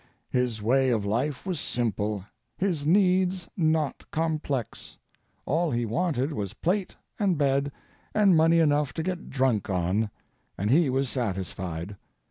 His way of life was simple, his needs not complex; all he wanted was plate and bed and money enough to get drunk on, and he was satisfied.